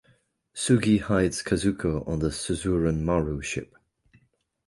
Sugi hides Kazuko on the Suzuran Maru ship.